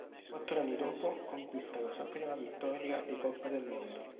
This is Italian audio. Quattro anni dopo conquista la sua prima vittoria di Coppa del Mondo.